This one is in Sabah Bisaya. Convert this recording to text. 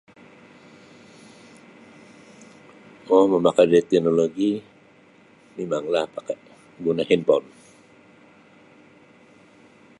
kuo mamakai da teknoloji mimanglah pakai guna hinpon.